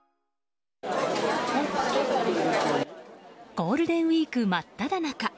ゴールデンウィーク真っただ中